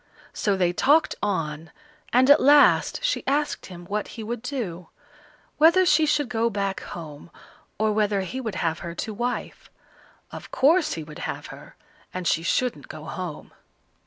So they talked on, and at last she asked him what he would do; whether she should go back home, or whether he would have her to wife. Of course he would have her, and she shouldn't go home.